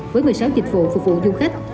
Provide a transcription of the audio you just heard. với một mươi sáu dịch vụ phục vụ du khách